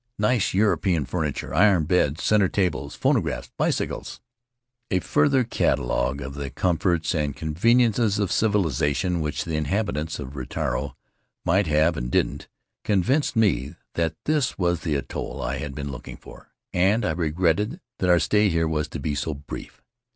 Xice European furniture — iron beds, center tables, phonographs, bicycles — n A further catalogue of the comforts and conveniences of civilization which the inhabitants of Rutiaro might have and didn't convinced me that this was the atoll I had been looking for, and I regretted that our stay there was to be so brief.